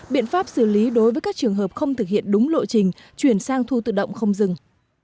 biện pháp xử lý đối với các trường hợp không thực hiện đúng lộ trình chuyển sang thu tự động không dừng